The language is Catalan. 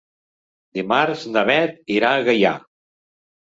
Dimarts na Beth irà a Gaià.